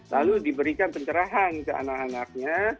lalu diberikan pencerahan ke anak anaknya